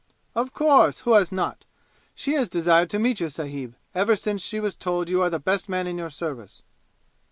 "Of course! Who has not? She has desired to meet you, sahib, ever since she was told you are the best man in your service."